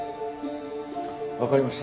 わかりました。